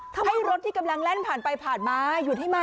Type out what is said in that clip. รถที่กำลังแล่นผ่านไปผ่านมาหยุดให้มา